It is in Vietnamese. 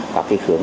vào cái hướng